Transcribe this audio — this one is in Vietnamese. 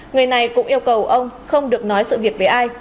người này cũng yêu cầu ông không được nói sự việc với ai